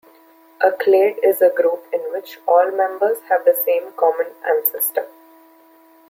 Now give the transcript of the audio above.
A clade is a group in which all members have the same common ancestor.